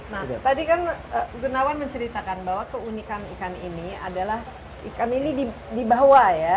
nah tadi kan gunawan menceritakan bahwa keunikan ikan ini adalah ikan ini dibawa ya